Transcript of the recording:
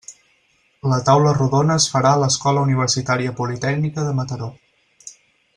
La taula rodona es farà a l'Escola Universitària Politècnica de Mataró.